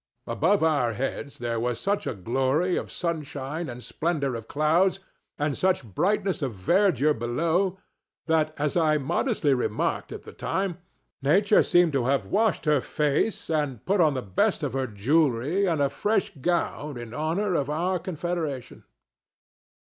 Above our heads there was such a glory of sunshine and splendor of clouds, and such brightness of verdure below, that, as I modestly remarked at the time, Nature seemed to have washed her face and put on the best of her jewelry and a fresh green gown in honor of our confederation.